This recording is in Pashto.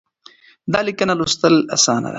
دا ليکنه لوستل اسانه ده.